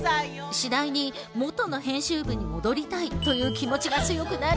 次第にもとの編集部に戻りたいという気持ちが強くなり。